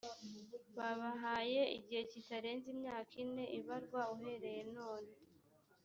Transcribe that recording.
babahaye igihe kitarenze imyaka ine ibarwa uhereye none